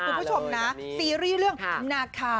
อ๋อมีนิดหน่อยค่ะแต่ไม่รู้องค์ไหนนะครับ